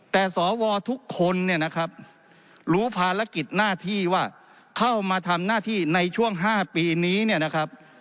แต่สวทุกคนเนี่ยนะครับรู้ภารกิจหน้าที่ว่าเข้ามาทำหน้าที่ในช่วง๕ปีนี้เนี่ยนะครับ